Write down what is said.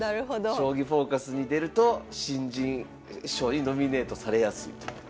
「将棋フォーカス」に出ると新人賞にノミネートされやすいという。